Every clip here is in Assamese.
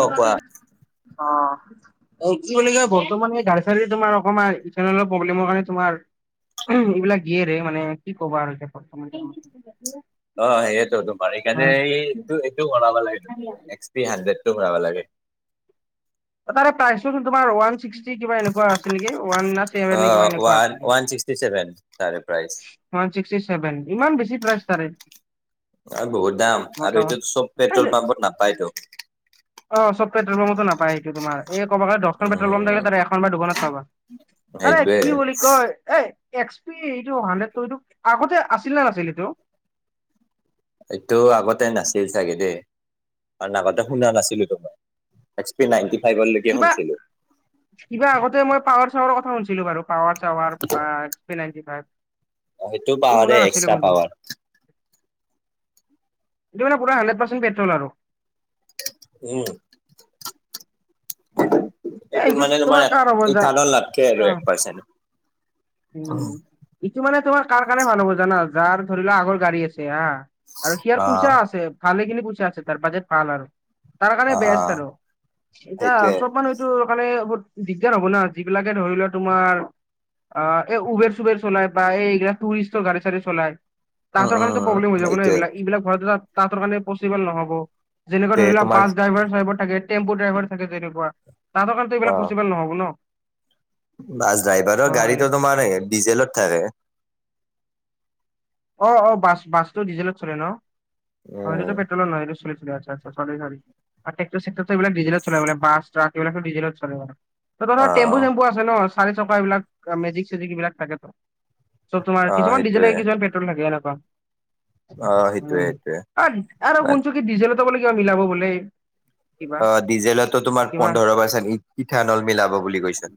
অ কোৱা অ [unintelligible] আৰু কি বুলি কয় বৰ্তমান এই গাড়ী চাড়ী অকমান ইঠানলৰ প্ৰব্লেমৰ কাৰণে তোমাৰ উ এইবিলাক গিয়েৰহে মানে কি ক'বা আৰু অ' সেইয়েতো তোমাৰ সেইকাৰণে এই এইটো এইটো ভৰাব লাগে তুমি এক্স পি হাইড্ৰেড টো ভৰাব লাগে। তাৰে প্ৰাইচটো তোমাৰ ওৱান ছিক্সটি কিবা এনেকুৱা নে অ ওৱানাছেভে এনেকুৱা ওৱান আছে ন। ওৱান ছিক্সটি ছেভন তাৰে প্ৰাইচ। ওৱান ছিক্সটি চছেভেন, ইমান বেছি প্ৰাইজ তাৰে। অ' বহুত দাম, আৰু মোটামুটি এইটো চব পেট্ৰল পাম্পত নাপায়তো। অ', চব পেট্ৰল পাম্পত নাপায় সেইটো তোমাৰ। এ ক'বা গ'লে দহখন পেট্ৰল পাম্প থাকিলে উম তাৰে এখন বা দুখনত পাবা। আৰে সেইটোয়ে কি বুলি কয় এ এক্স পি এইটো হাণ্ড্ৰেড টো এইটো আগতে আছিল নে নাছিল এইটো? সেইটো আগতে নাছিল চাগে দেই কাৰন আগতে শুনা নাছিলো তো মই। এক্সপি নাইনটি ফাইভৰলৈকে কিবা শুনিছিলো। কিবা আগতে মই পাৱাৰ চাৱাৰ কথা শুনিছিলো বাৰু power shower XP ninety five, সেইটো এইটো পাৱাৰে শুনা নাছিলো এক্সট্ৰা কিন্তু। পাৱাৰ এইটো মানে পুৰা হাণ্ড্ৰেডপাৰ্চেন্ত পেট্ৰল আৰু। উম। এ এইটোত মানে তোমাৰ কাৰ হ'ব যাৰ ইথানল নাথাকে অ আৰু এক পাৰ্চেণ্টও উম, ইটো মানে তোমাৰ কাৰ কাৰণে ভাল হ'ব জানা? যাৰ ধৰি লোৱা আগৰ গাড়ী আছে হা আৰু সেয়াৰ অ পইচা আছে ভালেখিনি পইচা আছে তাৰ বাজেট ভাল আৰু তাৰ কাৰণে অ অ বেষ্ট আৰু। এতিয়া সেইটোয়ে চব মানুহ কাৰণে বহুত দিগদাৰ হ'ব না, যিবিলাকে ধৰি লোৱা তোমাৰ অ', এই উবেৰ-চুবেৰ চলাই, বা এই বিলাক টুৰিষ্টৰ গাড়ী-চাড়ী চলায় উম তাঁহতৰ কাৰণেটো প্ৰব্লেম হৈ উম যাব ন' সেইটোয়ে এইবিলাক, এইবিলাক ভৰোৱাটো তাহাঁতৰ কাৰণে পচিবল নহ'ব। যেনেকুৱা তে ধৰি লোৱা, তোমাৰ বাছ ড্ৰাইভাৰ-চাইভাৰ থাকে, টেম্পু ড্ৰাইভাৰ থাকে, তেনেকুৱা তাহাঁতৰ কাৰণেটো এইবিলাক অ পচিবল নহ'ব ন'। বাছ ড্ৰাইভাৰৰ ক'ব গ'লে গাড়ীটো তোমাৰ ডিজেলত থাকে। অ', অ', বাছ, বাছটো ডিজেলত চলে ন', হয় উম, নহয়, আচ্ছা, আচ্ছা চৰী চৰী আৰু টেক্টৰ-চেকটৰটো এইবিলাক ডিজেলত চলে, বাছ, ট্ৰাক এইবিলাক ডিজেলত চলে বাৰু। তহঁতৰ তাত অ', টেম্পু-চেম্পু আছে ন', চাৰি চকা এইবলাক, মেজিক-চেজিক এইবিলাক থাকে তো। চব তোমাৰ, অ', কিছুমান ডিজেল সেইটোয়ে থাকে, কিছুমান পেট্ৰ'ল থাকে, এনেকুৱা। অ', সেইটোয়ে উম, সেইটোয়ে। আৰু, আৰু শুনছোঁন কি ডিজেলটো বোলে কিবা মিলাব বোলে। কিবা অ', ডিজেলতো তোমাৰ কিবা পোন্ধৰ পাৰ্চেন্ট ইথানল মিলাব বুলি কৈছ।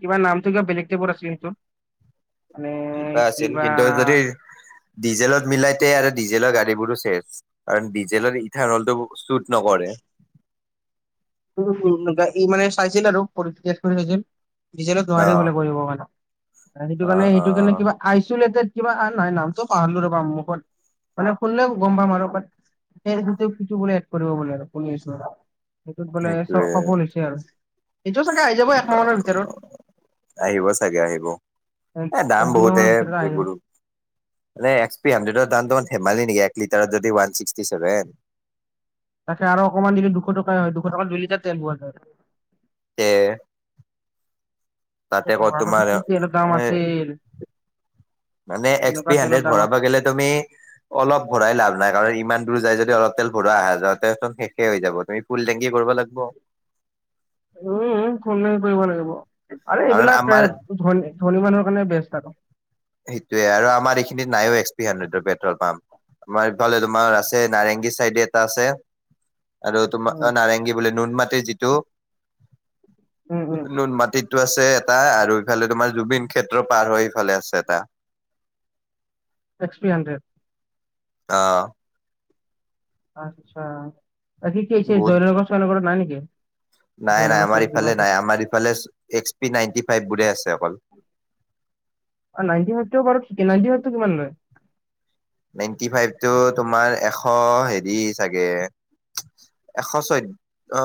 কিবা নামটো কিবা বেলেগ টাইপৰ আছিলে, সেইটোৰ মানে আছিল কিবা কিন্তু যদি ডিজেলত মিলাইতে আৰু ডিজেলৰ গাড়ী বোৰো চেচ, কাৰণ ডিজেলৰ হৰল টো শ্বুট নকৰে। [unintelligible] উম, ই মানে চাইছিল আৰু। [unintelligible] ডিজেলত নোৱাৰি অ', বোলে কৰিব মানে, সেইটো অ', কাৰণে, সেইটো কাৰণে অ'। কিবা আইচলেটেড কিবা নহয় নামতটো পাহৰিলোঁ ৰ'বা মুখত, মানে শুনিলে গম পাম আৰু বাত [unintelligible] কৰিব বোলে শুনি আছোঁ আৰু সেইটোত বোলে সেইটোয়ে সফল হৈছে আৰু, সেইটো চাগে আহি যাব একমাহ মানৰ ভিতৰত। আহিব চাগে আহিব, এ দাম এক দুই মাহ বহুতে মানৰ ভিতৰত আহি যাব এইবোৰো এক্সপি হাণ্ড্ৰেদৰ দাম তোমাৰ ধেমালি নেকি, এক লিটাৰ যদি ওৱান ছিক্সটি চছেভন তাকে আৰু অকমান দিলে দুশ টকা হয়, দুশ টকা দুই লিটাৰ তেল পোৱা যায়। তে, তাতে ক'ত আগতে তোমাৰ কি তেলৰ দাম এ আছিল মানে এক্স এনেকুৱা পি তেলৰ হান্দ্ৰেদ দাম ভৰাব গ'লে তুমি অলপ ভৰাই লাভ নাই, কাৰণ ইমান দূৰ যায় যদি অলপ তেল ভৰা আহা যোৱাতে চোন শেষে হৈ যাব, তুমি ফুল টেংকি কৰিব লাগিব। উম, ফুল টেংকি কৰিব লাগিব, আৰু কাৰণ এইবিলাক এ, আমাৰ ধনী ধনী মানুহৰ কাৰণে বেষ্ট আৰু। সেইটোৱে, আৰু আমাৰ এইখিনিত নাইও এক্সপি হাণ্ড্ৰেডৰ পেট্ৰল পাম্প। আমাৰ এইফালে তোমাৰ আছে নাৰেংগী চাইডে এটা আছে আৰু উম, তোমাৰ নাৰেংগী বোলে, নুন মাটিৰ যিটো উম, উম, নুন মাটিতো আছে এটা, আৰু এইফালে তোমাৰ জুবিন ক্ষেত্ৰৰ পাৰ হৈ এইফালে আছে এটা। XP hundred. অ'। আচ্ছা, বাকী কি হৈছে, বহুত জয় গছ [unintelligible] নাই নেকি? নাই নাই, জয়নগৰ আমাৰ চাইডে কিবা ইফালে চাইড নাই, আমাৰ ইফালে এক্সপি নাইনটি ফাইভ বোৰহে আছে অকল। নাইি ফাইভ, নাইভটো কিমান লয়? নাইনটি ফাইভটো তোমাৰ এশ, হেৰি চাগে। এশ চৈ, ধ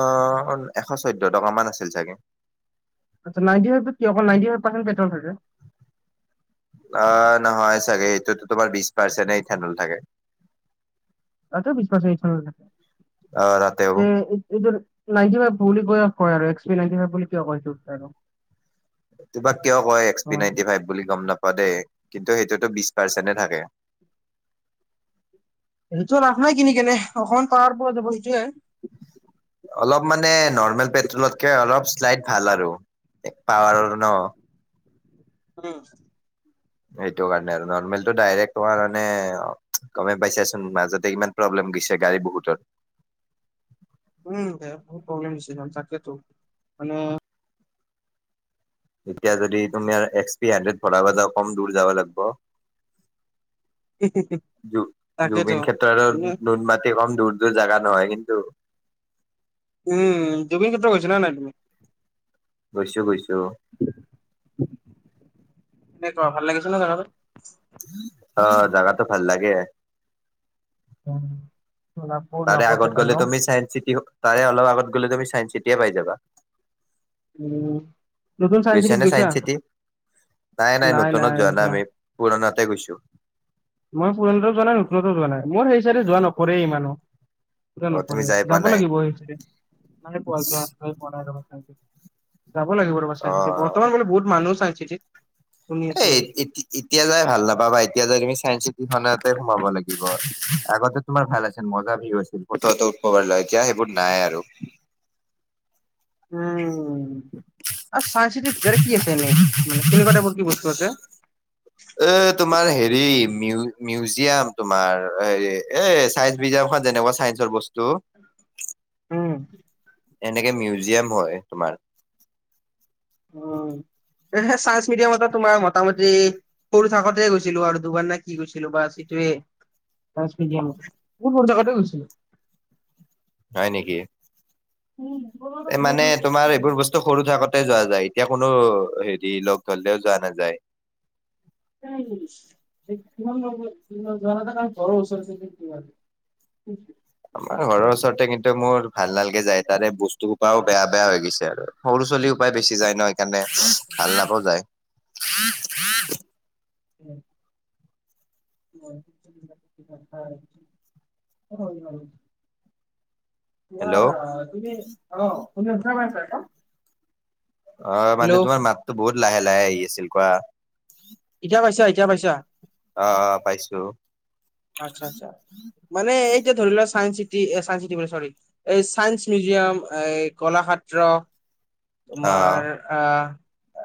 এশ চৈধ্যয় টকামান আছিল চাগে। আচ্ছা নাইটি ফাইভটো কি, অকল নাইটি ফাইভ পাৰ্চেন্ট পেট্ৰ'ল থাকে? অ', নহয় চাগে, এইটোটো তোমাৰ বিশ পাৰ্চেণ্টে ইথানল থাকে। আ বিিছ ই অ তাতেও [unintelligible] নাইনটি ফাইভ বুলি কৈ, কয় আৰু, এক্সপি নাইনটি ফাইভ বুলি কিয়? আৰু তোমাৰ কিয় কয় এক্স পি হয়। নাইনটি ফাইভ বুলি, গম নাপাওঁ দেই, কিন্তু সেইটোটো বিশ পাৰ্চেন্টে থাকে। সেইটো লাভ নাই কিনি কেনে, অকমান পাৱাৰ পোৱা যাব সেইটোৱে। অলপ মানে, নৰ্মেল পেট্ৰলতকে অলপ শ্লাইড ভাল আৰু, পাৱাৰৰ ন'। উম। এইেটো কাৰণে আৰু, নৰ্মেলটো ডাইৰে্ট তোমাৰ মানে গমে পাইছাঁচোন, মাজতে ইমান প্ৰব্লেম দিছে গাড়ী বহুতৰ। উম, হেয়া বহুত প্ৰব্লেম হৈছে তাকেতো মানে এতিয়া যদি তুমি এক্স পি হাড্ৰেড ভৰাব যা কম দূৰ যাব লাগিব। তাকেতো জু-জুবিন ক্ষেত্ৰ তুমি আৰু নুনমাটি কম [unintelligible] টো জাগা নহয় কিন্তু। উম জুবিন ক্ষেত্ৰ গৈছা নাই তুমি? গৈছোঁ, গৈছোঁ। কেনেুৱা ভাল লাগিছে নে জেগাটো। অ জাগাটো ভাল লাগে। উম। তাৰে আগত গ'লে তুমি চায়েস চিটি তাৰে অপ আগত গলে তুমি চায়েস চিটিয়ে পাই যাবা। উ নতুন চাইন চিটত নে গৈছা? Science city? নাই নাই যোৱা। পুৰণাতে গৈছো মই পুৰণাটো যোৱা নাই নতুনতো যোৱা নাই মোৰ সেই চাইডে যোৱা নপৰেই ইমানো অ তুমি নপৰে যাই পোৱা যাব নাই? লাগিব সেইচাইদে পোৱা যোৱা পোৱা নাই [inaudible] যাব লাগিব ৰ'বা অ চাইম চিটিত, বৰ্তমান বোলে বহুত মানুহ চাইন চিটিত? শুনি আছো এই আৰু এটি এতিয়া যাই ভাল নাপাবা এতিয়া যাই তুমি চাইন চিটিখতে সোমাব লাগিব, আগতে তোমাৰ ভাল আছিল মজা ভিউ আছিল। ফটো [unintelligible] এতিয়া সেইবোৰ নাই আৰু। উম আৰু চাইনচিতি ভিতৰে কি আছে এনেই মানে কেনেকুৱা টাইপৰ কি বস্তু আছে [unintelligible] এ তোমাৰ হেৰি মিউ-মিউজিয়াম তোমাৰ হেৰি এ চাইন্স মিউজিয়াম খন যেনেকুৱা চাই বস্তু উম। এনেকে মিউজিয়াম হয়, তোমাৰ। উম, চাইন্স মিউজিয়ামতে তোমাৰ মোটামুটি সৰু থাকতেই গৈছিলো আৰু দুবাৰ নে কি গৈছিলো বাছ সেইটোৱে পাচ মিডিয়ামত কোন কোন জাগাতে গৈছিলো হয় নেকি এই মানে তোমাৰ এইবোৰ বস্তু সৰু থাকোতে যোৱা যায়, এতিয়া কোনো হেৰি লগ ধৰিলেও যোৱা নাযায়। [unintelligible] [inaudible] আমাৰ ঘৰৰ ওচৰতে কিন্তু মোৰ ভাল নালাগে যায় তাৰে বস্তু পাওঁ বেয়া বেয়া লাগিছে আৰু সৰু ছোৱালী সোপাই বেছি যায় ন? সেইকাৰণে ভাল নাপাওঁ যায়। [inaudible] উম। [inaudible] তোমাৰ অ', তুমি অ', [unintelligible] অ মানে তোমাৰ মাততো বহুত লাহে লাহে আহি আছিল কোৱা। ইতিয়া পাইছা ইতিয়া পাইছা। অ অ পাইছো। আচ্ছা আচ্ছা মানে এইতিয়া ধৰি লোৱা চাইন চিটি অহ চাইন চিটি বোলে চৰি এই চাইন্স মিউজিয়াম এই কলাক্ষেত্ৰ। অ। তোমাৰ আহ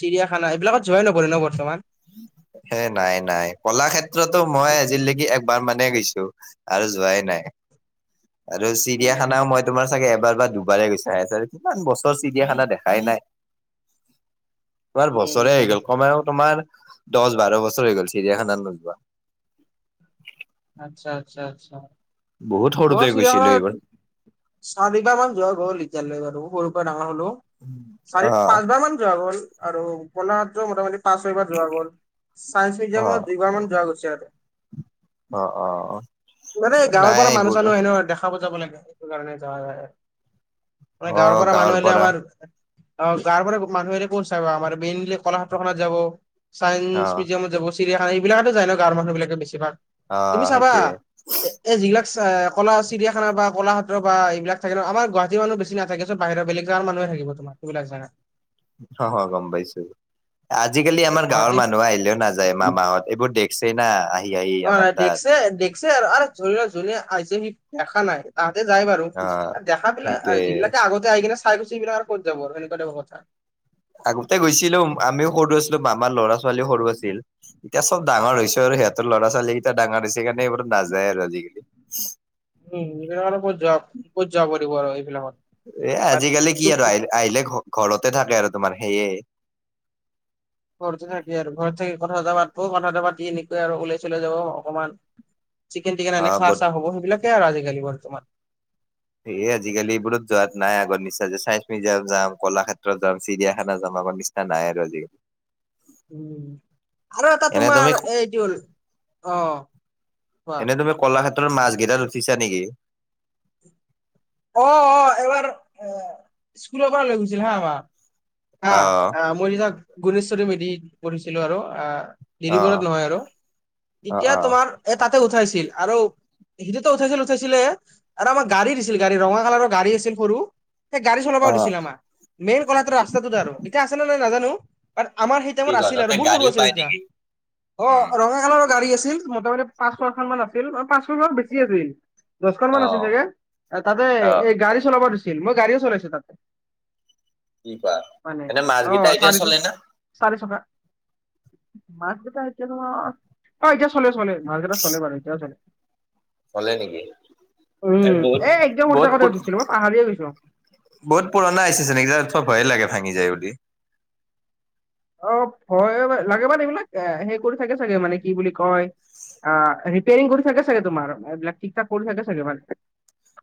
চিৰিয়াখানা এইবিলাকত জোৰা নকৰে ন বৰ্তমান। হে নাই নাই কলাক্ষেত্ৰতো মই আজিলৈকে একবাৰ মানহে গৈছো আৰু যোৱাই নাই আৰু চিৰিয়াখানাও মই তোমাৰ চাগে এবাৰ বা দুবাৰে গৈছ চাৰে চাৰে কিমান বছৰ চিৰিয়াখানা দেখাই নাই। তোমাৰ উম বছৰে হৈ গ'ল কমেও তোমাৰ দচ বাৰ বছৰ হৈ গ'ল চিৰিয়াখানাত নোযোৱা। আচ্ছা-আচ্ছা-আচ্ছা। বহুত মোৰ সৰুতে গৈছিলো এইবাৰ চিয়াখানাত চাৰিবাহ মান যোৱা গ'ল এতিয়ালৈ বাৰু সৰুৰ পৰা ডাঙৰ হলো। অ চাৰি পাঁচবাৰ মান যোৱা গ'ল আৰু বণাহ মোটামুটি পাঁচ ছয়িবাৰ যোৱা গ'ল। চাইন্স অ মিউজিয়ামৰ দুই বাৰ মান যোৱা গৈছে আৰু। অ', অ', অ'। মানে গাঁৱৰ নাই পৰা মানুহ এইবোৰ চানুহ আহিলে দেখা বুজাব লাগে সেইটো কাৰণে যোৱা যায়। মানে গাঁৱৰ পৰা মানুহ আহিলে আমাৰ অ' গাঁৱৰ পৰা মানুহ আহিলে ক'ত চাব আমাৰ মেইনলি ক'লাক্ষেত্ৰখনত যাব অ চায়ন্স মিউজিয়ামত যাব চিৰিয়াখানা এইবিলাকত যায় ন গাঁৱৰ মানুহ বিলাকে বেছিভাগ, অ তুমি চাবা সেইটোয়ে এ এই যিবিলাক কলা চিৰিয়াখানা বা ক'লাক্ষেত্ৰ বা এইবিলাক থাকে ন আমাৰ গুৱাহাটী মানুহ বেছি নাথাকে। বাহিৰ বেলেগ জাগাৰ মানুহে থাকিব তোমাৰ সেইবিলাক জাগাত। অ' হয় গ'ম পাইছো, আজিকালি এই আমাৰ গাঁৱৰ গুৱাহাটী মানুহ আহিলেও নাযায় মা মাহ'ত এইবোৰ দে--ে ছে না অহ অ' ন দেখছে দেখছে, ধৰি ল জোনে আহিছে সি দেখা নাই তাহাঁতে যাই বাৰু, অ', দেখা বিলাক সেইটোয়ে যিবিলাকে আগতে আহি কিনে চাই গৈছে সেইবিলাক আৰু ক'ত যাব আৰু সেনেকুৱা কথা। আগতে গৈছিলো আমিও সৰু আছিলো মামাৰ ল'ৰা ছোৱালীও সৰু আছিল এতিয়া চব ডাঙৰ হৈছে আৰু সিহঁতৰ ল'ৰা ছোৱালী কেইটা ডাঙৰ হৈছে সেইকাৰণে এইবোৰত নাযায় আৰু আজিকালি। উম, এইবিলাক আৰু ক'ত যোৱা ক'ত যোৱা কৰিব আৰু এইবিলাকত। এ বাট আজিকালি কি চুপ আৰু আহিল আহিলে ঘ ঘৰতে থাকে আৰু তোমাৰ সেইয়ে। ঘৰতে থাকে আৰু ঘৰত থাকি কথা এটা পাটব কথা এ পাতি এনেকৈ আৰু ওলাই চলাই যাব অকণমানা- চিকেন টিকেন আনি অ', খোৱা গত চোৱা হ'ব সেইবিলাক আৰু আজিকালি বৰ্তমান। এই আজিকালি এইবোৰত যোৱাত নাই আগৰ নিচ্চা যে চাইনঞ্চ মিউজিয়াম যাম, ক'লাক্ষেত্ৰত যাম, চিৰিয়াখানা যাম, আগৰ নিচিনা না নাই আৰু আজিকালি। উম, আৰু এটা এনে তুমি তোমাৰ এইটো হ'ল অ' কোৱা এনে তুমি ক'লাক্ষেত্ৰৰ মাছকেইটা উঠিছা নেকি? অ' অ' এবাৰ স্কুলৰ পৰা লৈ গৈছিল হা আমাক হা অ', আহ মই যেতিয়া গুণেশ্বৰী মেধিত পঢ়িছিলো আৰু আহ ডৰিবত অ', নহয় আৰু, অ', তেতিয়া অ', তোমাৰ এ তাতে উঠাইছিল আৰু। সিটোতো উঠাইছিল উঠাইছিলে আৰু আৰু গাড়ী দিছিল গাড়ী ৰঙা কালাৰৰ গাড়ী আছিল সৰু সেই গাড়ী চলাবও অ', দিছিল আমাক মেইন ক'লাক্ষেত্ৰৰ ৰাস্তাটোত আৰু, এতিয়া আছে নে নাই নাজানো। আমাৰ সেই কি টাইমত কয় আছিলে আৰু তাতে বহুত সৰু গাড়ীও আছিল পায় তেতিয়া নেকি? অ উম, ৰঙা কালাৰৰ গাড়ী আছিল মোটামুটি পাঁচ ছয়খন মান আছিল পাঁচশ ছয়খন বেছি আছিল দচখন মান আছিল অ', চাগে। তাতে অ'। এই গাড়ী চলাব দিছিল, মই গাড়ীও চলাইছো তাতে। কি পা মানে অ' চাৰিটো চাৰিচকা। মাছকেইটা এতিয়া অ' অ' এতিয়া চলে চলে মাছকেইটা চলে বাৰু এতিয়া চলে। চলে নেকি? উম, এ একদম সৰু বহুত থাকোতে উঠিছিলো, মই পাহাৰয়ে গৈছো। বহুত পুৰণা হৈছে যেন এইবিলাক থ ভয় লাগে ভাঙি যায় বুলি। অ' ভয় লাগে মানে এইবিলাক এ সে কৰি থাকে চাগে মানে কি বুলি কয় অ' ৰিপেয়াৰিং কৰি থাকে চাগে তোমাৰ এইবিলাক ঠিক ঠাক কৰি থাকে চাগে। মাজতে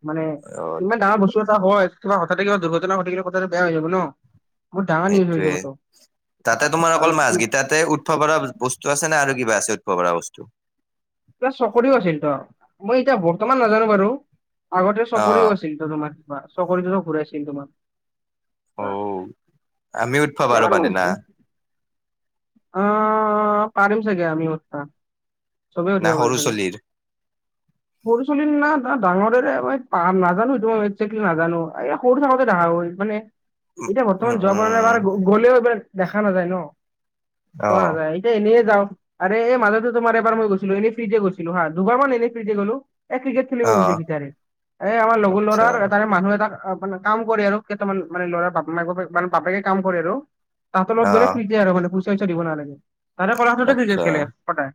মানে অ ইমান ডাঙৰ বস্তু এটা হয় কিবা হঠাতে কিবা দুৰ্ঘটনা ঘটিলে কথাটো বেয়া হৈ যাব ন। বহুত ডাঙৰ নিউজ হৈ সেইটোয়ে যাব টো। তাতে তোমাৰ অকল মাছ কেইটাতে উঠিব পৰা বস্তু আছে নে আৰু কিবা আছে উঠিব পৰা বস্তু? ত চকৰিও আছিল তো, মই এতিয়া বৰ্তমান নাজানো বাৰু, আগতে অ চকৰিও আছিল। তোমাৰ কিবা চকৰিটোতু ঘূৰাইছিল তোমাক। অ' আমি উঠিব এতিয়া পাৰো বাৰু মানে না। অ' পাৰিম চাগে আমি উঠবা। চবেই না উঠিব পাৰে সৰু চাগে। চলিৰ সৰু ছোৱালী না না ডাঙৰেৰে হয় মই নাজানো এটো একজেকলি নাজানো, এই সৰু থাকোতে দেখা হয়। মানে এতিয়া উম বৰ্তমান যোৱা পৰা নাই উম এবাৰ গ'লেও এইবাৰ দেখা নাযায় ন অ চোৱা নাযায়। এনেই যাওঁ, আৰে এই মাজটো তোমাৰ মই গৈছিলোঁ, এনে ফ্ৰীতে গৈছিলোঁ হা, দুবাৰ মান এনে ফ্ৰীতে গ'লো, এ ক্ৰিকেট খেলিব অ গৈছে গিতাৰে [unintelligible] এ, আমাৰ লগৰ আচ্ছা ল'ৰাৰ তাৰে মানুহ এটা মানে কাম কৰে আৰু, কেইটামান মানে ল'ৰা মাক বাপেক মানে বাপেকে কাম কৰে আৰু তাহাঁতৰ লগত অ গ'লে ফ্ৰীতে আৰু পইচা-চইচা দিব নালাগে, তাৰে কলাহতে [unintelligible] আচ্ছা ক্ৰিকেট খেলে সদায়।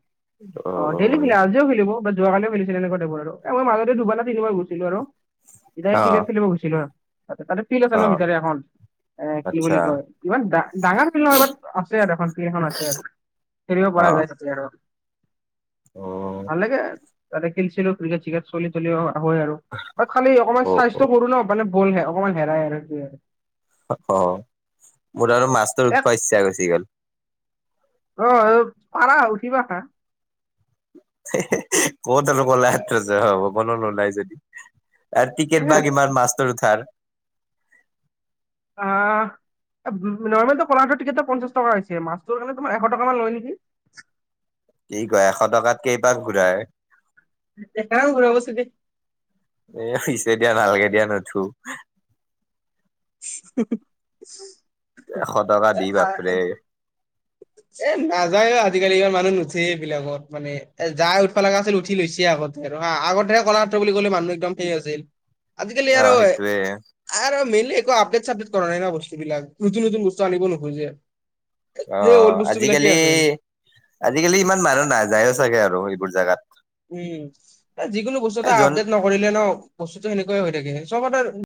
অ', দেইলি খেলে, আজিও খেলিব, বা যোৱাকালিও খেলিছিল, এনেকুৱা টাইপৰ আৰু এ, মই মাজতে দুবাৰনে তিনিবাৰ গৈছিলোঁ আৰু। সদায় [unintelligible] অ ক্ৰিকেট খেলিব গৈছিলোঁ, তাতে ফিল্ড আছে অ ন' ভিতৰত এখন। এ, কি বুলি আচ্ছা কয়, ইমান ডাঙৰ ফিল্ড নহয়, বাদ আছে আৰু, এখন ফিল্ড এখন আছে আৰু। খেলিব অ পৰা যায় তাতে আৰু। অ ভাল লাগে, তাতে খেলছিলো ক্ৰিকেট-চিকেট চলি তলিও [unintelligible] হয় আৰু। খালি অকমান অ চাইজটো অ সৰু ন', মানে বল হে অকমান হেৰাই আৰু, কি আৰু। অ, অ', মোৰ আৰু মাছটোৰ উঠোৱা ইচ্ছা গুছি গ'ল [unintelligible] অ', পাৰা উঠিবা খা [unintelligible] হে, হে, ক'ত আৰু ওলাই [unintelligible] কোনো নোলাই যদি। আৰু টিকেট বা আহ কিমান মাছটোৰ উঠাৰ। অ', নৰ্মেলটো পলাৰটোৰ টিকেটটো পঞ্চাছ টকা হৈছে, মাছটোৰ খালি তোমাৰ এশ টকা মান লয় নেকি। কি কয়, এশ টকাত কেইপাক ঘূৰাই? দেখাও ঘূৰাব ছাগে [unintelligible] এ, পিছে [unintelligible] দিয়া নালগে দিয়া নুঠো। এশ টকা দি আহ বাপৰে [unintelligible] এ, নাযায় আৰু, আজিকালি ইমান মানুহ নুঠে এইবিলাকত, মানে এ, যাই উঠবা লগা আছিল উঠি লৈছে আগত। হা, আগতে কলাক্ষেত্ৰ বুলি ক'লে মানুহ একদম সেই আছিল, আজিকালি অ আৰু সেইটোয়ে আৰু মেইনলি একো আপডেট-চাবডেট কৰা নাই ন', বস্তুবিলাক, নতুন নতুন বস্তু আনিব নোখোজে। সেই অল্ড অ', বস্তু বিলাকে আজিকালি, আছে আজিকালি ইমান মানুহ নাযায়ো চাগে আৰু এইবোৰ জাগাত। উম, যিকোনো বস্তু এটা এ যোন আপডেট নকৰিলে ন', বস্তুটো সেনেকুৱাই হৈ থাকে, চবতে